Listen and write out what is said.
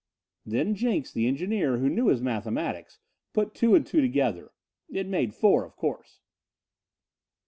Then Jenks, the engineer who knew his mathematics, put two and two together. It made four, of course.